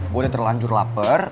gue udah terlanjur lapar